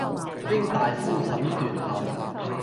經大夫診斷後